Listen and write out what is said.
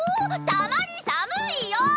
たまに寒いよ！